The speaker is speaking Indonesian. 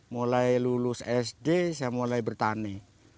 mulai lulus sd saya mulai bertani